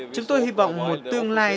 chúng tôi hy vọng một tương lai